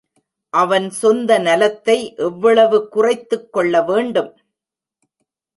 அவன் சொந்த நலத்தை எவ்வளவு குறைத்துக் கொள்ள வேண்டும்?